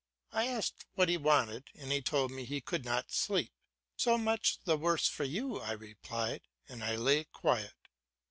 I asked what he wanted, and he told me he could not sleep. "So much the worse for you," I replied, and I lay quiet.